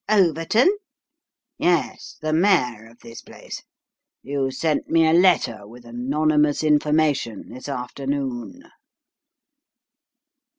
" Overton ?"" Yes : the mayor of this place you sent me a letter with anonymous information, this afternoon."